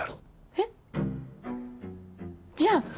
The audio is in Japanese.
えっ？じゃあ。